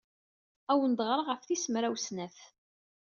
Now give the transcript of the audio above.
Ad awen-d-ɣreɣ ɣef tis mraw snat.